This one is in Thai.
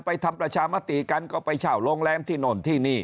ทำประชามติกันก็ไปเช่าโรงแรมที่โน่นที่นี่